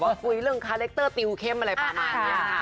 คุยเรื่องคาแรคเตอร์ติวเข้มอะไรประมาณนี้ค่ะ